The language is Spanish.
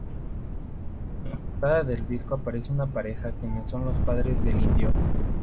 En la portada del disco aparece una pareja quienes son los padres del Indio.